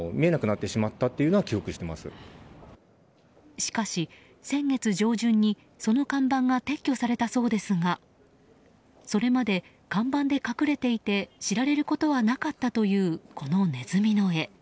しかし、先月上旬にその看板が撤去されたそうですがそれまで看板で隠れていて知られることはなかったというこのネズミの絵。